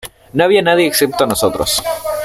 No había nadie excepto nosotros.